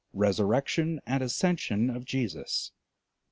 RESURRECTION AND ASCENSION OF JESUS (1876.)